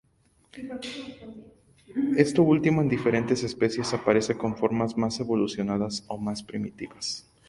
Esto último en diferentes especies aparece con formas más evolucionadas o más primitivas.